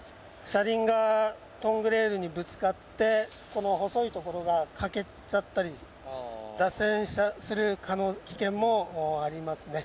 車輪がトングレールにぶつかってこの細いところが欠けちゃったり脱線する危険もありますね。